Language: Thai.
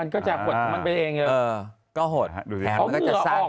ก็จะกดของมันไปเอง